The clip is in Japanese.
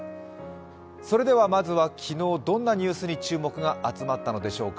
それではまずは昨日どんなニュースに注目が集まったのでしょうか。